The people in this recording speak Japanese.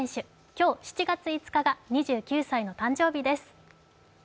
今日７月５日が２９歳の誕生日です。